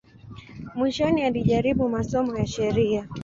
Mwishoni alijaribu masomo ya sheria.